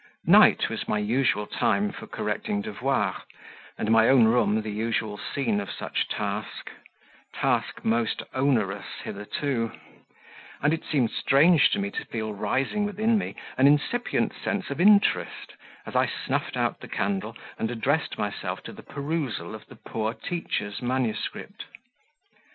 Night was my usual time for correcting devoirs, and my own room the usual scene of such task task most onerous hitherto; and it seemed strange to me to feel rising within me an incipient sense of interest, as I snuffed the candle and addressed myself to the perusal of the poor teacher's manuscript.